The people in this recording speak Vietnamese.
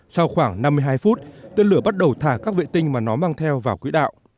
sau khoảng năm mươi hai phút tên lửa bắt đầu thả các vệ tinh mà nó mang theo vào quỹ đạo